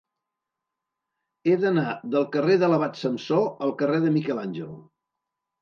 He d'anar del carrer de l'Abat Samsó al carrer de Miquel Àngel.